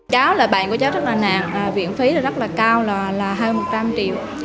cháu là bạn của cháu rất là nàng viện phí rất là cao là hơn một trăm linh triệu